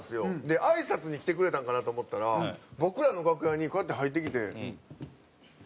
であいさつに来てくれたんかなと思ったら僕らの楽屋にこうやって入ってきて。